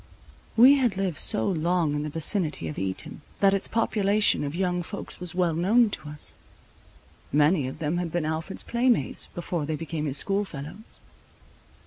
We had lived so long in the vicinity of Eton, that its population of young folks was well known to us. Many of them had been Alfred's playmates, before they became his school fellows.